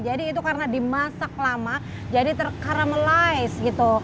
jadi itu karena dimasak lama jadi terkaramelize gitu